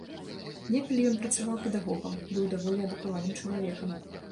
Некалі ён працаваў педагогам, быў даволі адукаваным чалавекам.